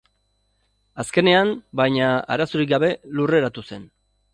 Azkenean, baina, arazorik gabe lurreratu zen.